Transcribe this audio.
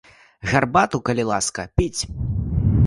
Гарбату, калі ласка, піць.